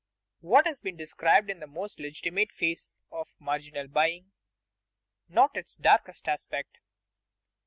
_ What has just been described is the more legitimate phase of marginal buying, not its darker aspect.